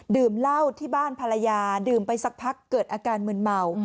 ดื่มเหล้าที่บ้านภรรยาดื่มไปสักพักเกิดอาการมืนเมา